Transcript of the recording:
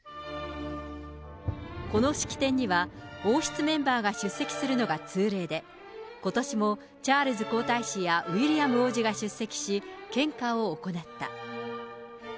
この式典には、王室メンバーが出席するのが通例で、ことしもチャールズ皇太子やウィリアム王子が出席し、献花を行った。